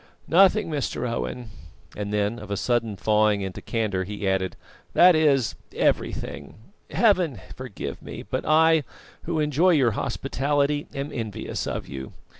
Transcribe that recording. "Nothing, Mr. Owen;" then, of a sudden thawing into candour, he added: "that is, everything. Heaven forgive me; but I, who enjoy your hospitality, am envious of you.